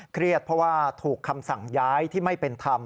เครียดเพราะว่าถูกคำสั่งย้ายที่ไม่เป็นธรรม